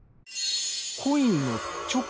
コインのチョコ？